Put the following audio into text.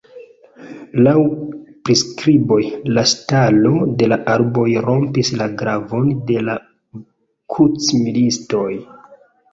Laŭ priskriboj, la ŝtalo de la araboj rompis la glavon de la krucmilitistoj.